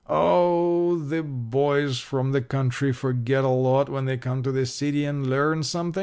"Oh, the boys from the country forget a lot when they come to the city and learn something.